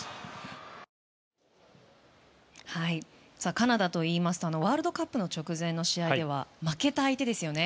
カナダといいますとワールドカップの直前の試合では負けた相手ですよね。